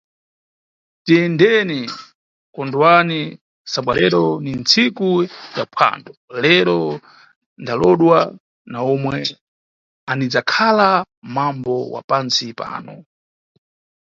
Tiyendeni, kondwani, sabwa lero ni nntsiku ya phwando, lero ndalowodwa na omwe anidzakhala mambo wa pantsi pano.